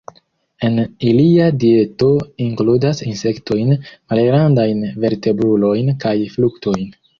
En ilia dieto inkludas insektojn, malgrandajn vertebrulojn kaj fruktojn.